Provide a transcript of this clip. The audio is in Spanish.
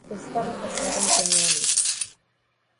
Estaba casado y tenía un hijo.